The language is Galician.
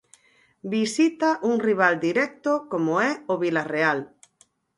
Visita un rival directo como é o Vilarreal.